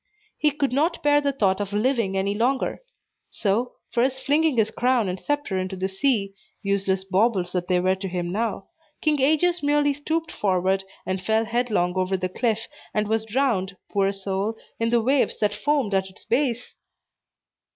He could not bear the thought of living any longer; so, first flinging his crown and sceptre into the sea (useless baubles that they were to him now), King Aegeus merely stooped forward, and fell headlong over the cliff, and was drowned, poor soul, in the waves that foamed at its base!